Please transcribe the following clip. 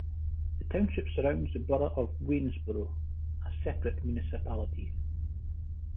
The township surrounds the borough of Waynesboro, a separate municipality.